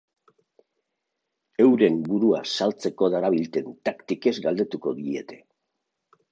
Euren burua saltzeko darabilten taktikez galdetuko diete.